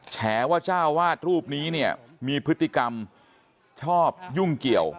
แฉว่าเจ้าวาดรูปนี้เนี่ยมีพฤติกรรมชอบยุ่งเกี่ยว